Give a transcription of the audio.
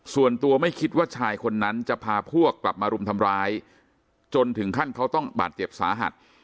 ส่วนตัวไม่คิดว่าชายคนนั้นจะพาพวกกลับมารุมทำร้ายจนถึงขั้นเขาต้องบาดเจ็บสาหัส